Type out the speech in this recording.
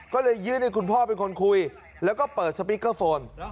ก็เลยยื่นให้คุณพ่อเป็นคนคุยแล้วก็เปิดสปีกเกอร์โฟน